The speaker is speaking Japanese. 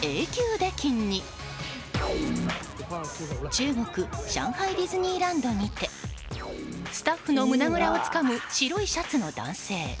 中国・上海ディズニーランドにてスタッフの胸ぐらをつかむ白いシャツの男性。